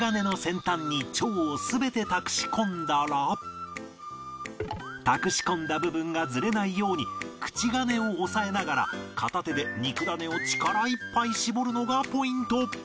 たくし込んだ部分がずれないように口金を押さえながら片手で肉だねを力いっぱい絞るのがポイント